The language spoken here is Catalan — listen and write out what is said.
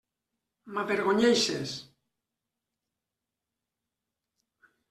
M'avergonyeixes.